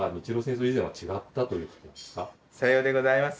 さようでございます。